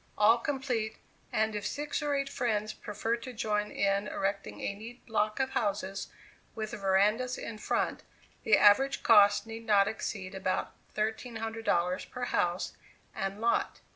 all complete, and if six or eight friends prefer to join in erecting a neat block of houses with verandas in front, the average cost need not exceed about $1,300 per house and lot.